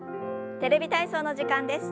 「テレビ体操」の時間です。